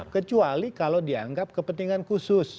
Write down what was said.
kecuali kalau dianggap kepentingan khusus